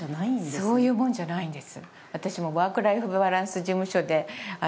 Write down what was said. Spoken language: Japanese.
そういうもんじゃないんです。